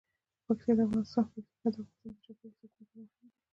پکتیکا د افغانستان د چاپیریال ساتنې لپاره مهم دي.